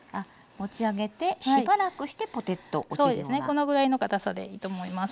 このぐらいのかたさでいいと思います。